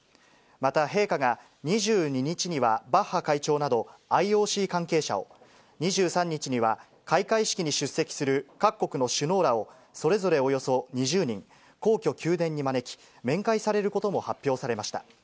また陛下が、２２日にはバッハ会長などＩＯＣ関係者を、２３日には開会式に出席する各国の首脳らを、それぞれおよそ２０人、皇居・宮殿に招き、面会されることも発表されました。